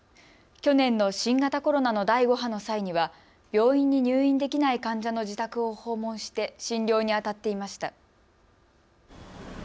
去年の新型コロナの第５波の際には病院に入院できない患者の自宅を訪問して診療にあたっていました。